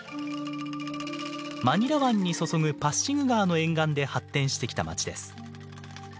マニラ湾に注ぐパッシグ川の沿岸で発展してきた町です。